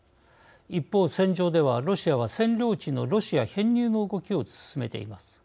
一方戦場ではロシアは占領地のロシア編入の動きを進めています。